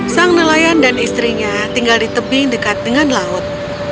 sang nelayan dan istrinya tinggal di tebing dekat dengan laut